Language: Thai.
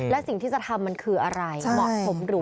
และสิ่งที่จะทำมันคืออะไรเหมาะสมหรือไม่เหมาะสม